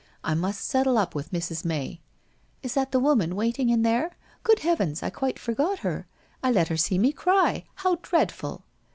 I must settle up with Mrs. May '' Is that the woman waiting in there ? Good heavens, I quite forgot her ! I let her see me cry. How dreadful